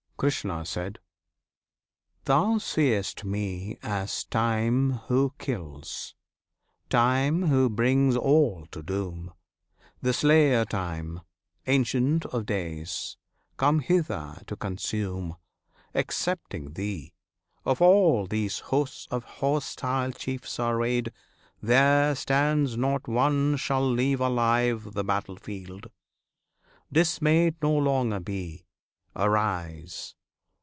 Krishna. Thou seest Me as Time who kills, Time who brings all to doom, The Slayer Time, Ancient of Days, come hither to consume; Excepting thee, of all these hosts of hostile chiefs arrayed, There stands not one shall leave alive the battlefield! Dismayed No longer be! Arise!